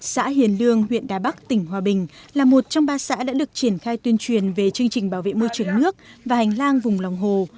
xã hiền lương huyện đà bắc tỉnh hòa bình là một trong ba xã đã được triển khai tuyên truyền về chương trình bảo vệ môi trường nước và hành lang vùng lòng hồ